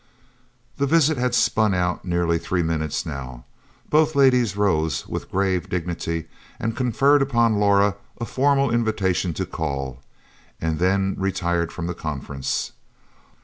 The visit had spun out nearly three minutes, now. Both ladies rose with grave dignity, conferred upon Laura a formal invitation to call, and then retired from the conference.